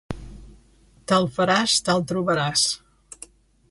Tal faràs tal trobaràs